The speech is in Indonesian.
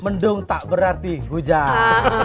mendung tak berarti hujan